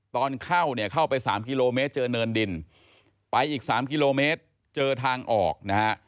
ตอนเข้าเนี่ยเข้าไป๓กิโลเมตรเจอเนินดินไปอีก๓กิโลเมตรเจอทางออกนะฮะ